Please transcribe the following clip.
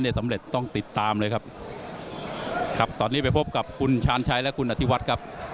สำเร็จต้องติดตามเลยครับครับตอนนี้ไปพบกับคุณชาญชัยและคุณอธิวัฒน์ครับ